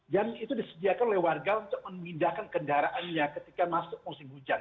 dan itu disediakan oleh warga untuk memindahkan kendaraannya ketika masuk musim hujan